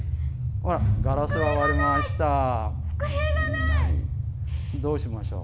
ほら、ガラスが割れました。